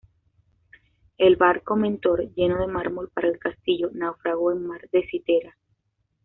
El barco "Mentor", lleno de mármol para el castillo, naufragó en Mar de Citera.